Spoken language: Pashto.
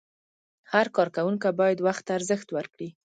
هر کارکوونکی باید وخت ته ارزښت ورکړي.